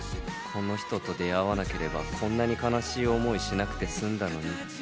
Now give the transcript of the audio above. この人と出会わなければこんなに悲しい思いしなくて済んだのにって。